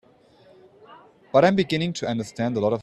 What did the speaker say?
But I'm beginning to understand a lot of things.